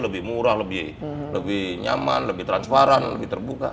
lebih murah lebih nyaman lebih transparan lebih terbuka